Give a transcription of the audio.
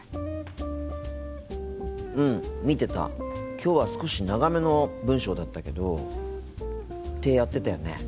きょうは少し長めの文章だったけどってやってたよね。